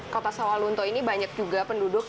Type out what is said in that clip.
kota sawah lunto ini banyak juga penduduk